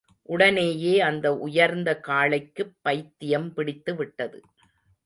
உடனேயே அந்த உயர்ந்த காளைக்குப் பைத்தியம் பிடித்துவிட்டது.